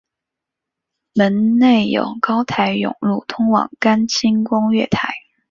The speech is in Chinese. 门内有高台甬路通往干清宫月台。